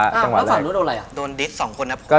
แล้วฝั่งรู้โดนไล่อะ